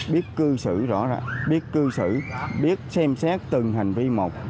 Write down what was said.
biết cư xử rõ rạ biết cư xử biết xem xét từng hành vi một